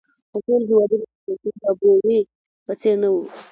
خو ټول هېوادونه د زیمبابوې په څېر نه وو.